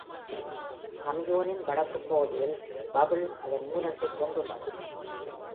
கம்யூனின் வடக்கு பகுதியில் Bouble அதன் மூலத்தைக் கொண்டுள்ளது.